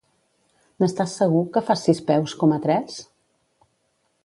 N'estàs segur, que fas sis peus coma tres?